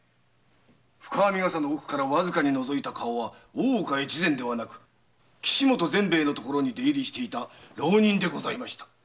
深編笠の奥にのぞいた顔は大岡越前ではなく岸本善兵衛のところに出入りしていた浪人でした。